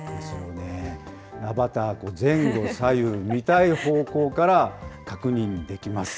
アバター、前後左右、見たい方向から確認できます。